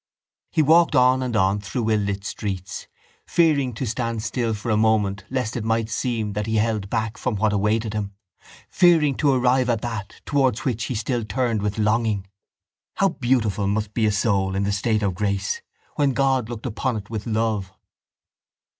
He walked on and on through ill lit streets, fearing to stand still for a moment lest it might seem that he held back from what awaited him, fearing to arrive at that towards which he still turned with longing. How beautiful must be a soul in the state of grace when God looked upon it with love!